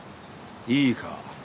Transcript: いいか？